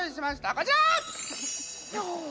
こちら！